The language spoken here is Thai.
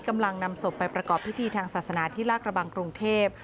นำศพไปประกอบพิธีทางศาสนาที่ลากระบังกรุงเทพ